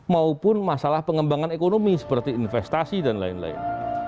maupun masalah pengembangan ekonomi seperti investasi dan lain lain